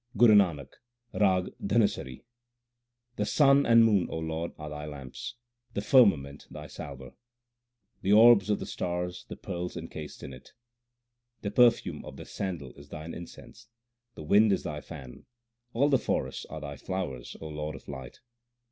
GURU NANAK, RAG DHANASARI The sun and moon, Lord, are Thy lamps ; the firmament Thy salver ; the orbs of the stars the pearls enchased in it. The perfume of the sandal is Thine incense, the wind is Thy fan, all the forests are Thy flowers, O Lord of light.